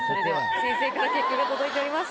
先生から結果が届いております。